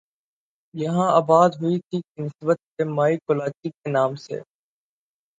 یہاں آباد ہوئی تھی کی نسبت سے مائی کولاچی کے نام سے